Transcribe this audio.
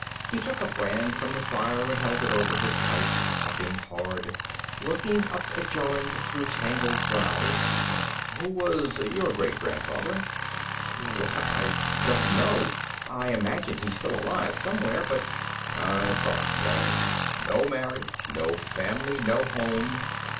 He took a brand from the fire and held it over his pipe, puffing hard, looking up at Jorun through tangled brows. "Who was your great grandfather?" "Why I don't know. I imagine he's still alive somewhere, but " "I thought so. No marriage. No family. No home.